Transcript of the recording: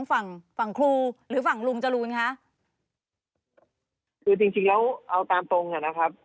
ฝั่งครูหรือฝั่งลุงจรูนคะคือจริงแล้วเอาตามตรงนะครับ